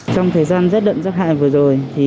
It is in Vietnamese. trong thời gian rất đậm giác hại vừa rồi